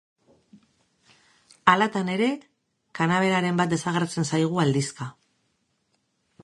Halatan ere, kanaberaren bat desagertzen zaigu aldizka.